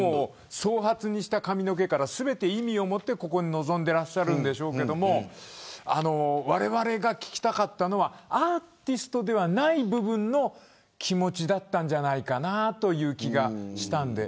総髪にした髪の毛から全て意味を持ってここに臨んでいるんでしょうけどわれわれが聞きたかったのはアーティストではない部分の気持ちだったんじゃないかなという気がしたんです。